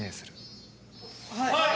はい。